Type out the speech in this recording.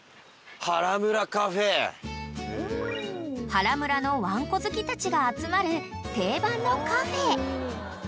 ［原村のワンコ好きたちが集まる定番のカフェ］